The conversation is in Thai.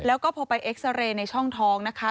แล้วก็พอไปเอ็กซาเรย์ในช่องท้องนะคะ